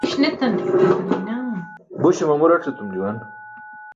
Buśe mamu rac̣ etum juwan.